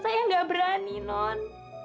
saya enggak berani non